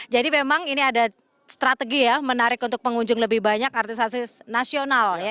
jadi memang ini ada strategi ya menarik untuk pengunjung lebih banyak artis nasional ya